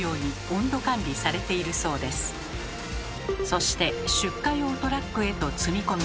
そして出荷用トラックへと積み込みます。